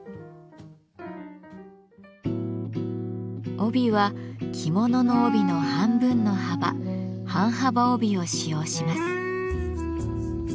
帯は着物の帯の半分の幅「半幅帯」を使用します。